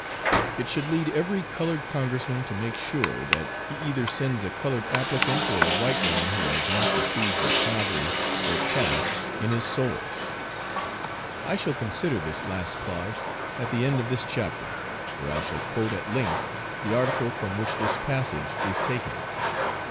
It should lead every colored Congressman to make sure that he either sends a colored applicant or a white one who has not the seeds of snobbery or caste in his soul." I shall consider this last clause at the end of this chapter, where I shall quote at length the article from which this passage is taken.